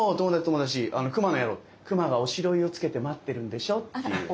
あの熊の野郎」「熊がおしろいをつけて待ってるんでしょ」っていう。